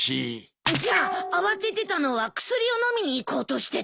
じゃあ慌ててたのは薬を飲みに行こうとしてたの？